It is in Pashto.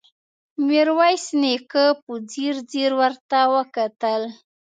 ميرويس نيکه په ځير ځير ورته وکتل.